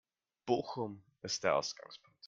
Bochum ist der Ausgangspunkt.